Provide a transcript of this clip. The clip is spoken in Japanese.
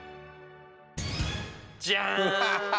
じゃん！